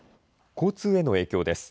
交通への影響です。